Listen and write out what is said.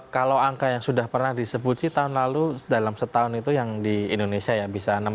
kalau angka yang sudah pernah disebut sih tahun lalu dalam setahun itu yang di indonesia ya bisa enam